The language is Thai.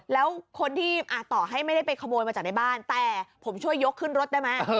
แล้วคนที่ต่อให้ไม่ได้ไปขโมยมาจากในบ้านแต่ผมช่วยยกขึ้นรถได้ไหม